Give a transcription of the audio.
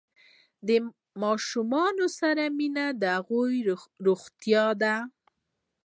د ماشوم سره مینه د هغه روغتیا ده۔